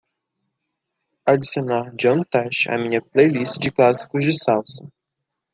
Adicionar John Tesh à minha playlist de clássicos de salsa